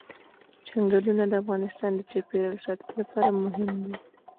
چنګلونه د افغانستان د چاپیریال ساتنې لپاره مهم دي.